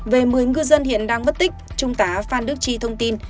những ngư dân hiện đang vất tích trung tá phan đức chi thông tin